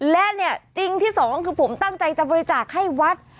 และเนี่ยจริงที่สองคือผมตั้งใจจะบริจาคให้วัด